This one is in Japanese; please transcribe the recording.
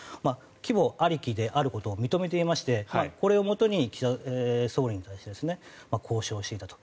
規模ありきであることを認めていましてこれをもとに岸田総理に対して交渉していたと。